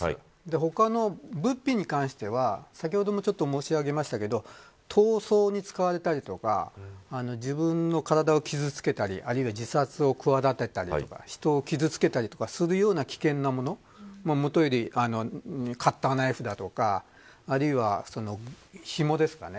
他の物品に関しては先ほどもちょっと申し上げましたが逃走に使われたりとか自分の体を傷付けたり、あるいは自殺を企てたり人を傷つけたりする危険なものはもとよりカッターナイフだとかひもですかね